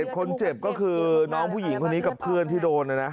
คนเจ็บก็คือน้องผู้หญิงคนนี้กับเพื่อนที่โดนนะนะ